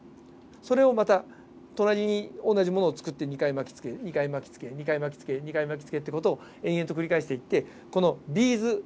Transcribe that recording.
それをまた隣に同じものを作って２回巻きつけ２回巻きつけ２回巻きつけ２回巻きつけって事を延々と繰り返していってビーズみたいにするんですね。